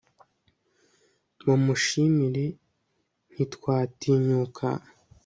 mumushimire, ntitwatinyuka